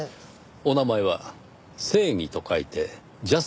お名前は「正義」と書いて「ジャスティス」と読むそうで。